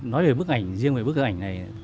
nói về bức ảnh riêng về bức ảnh này